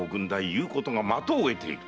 言うことが的を得ている。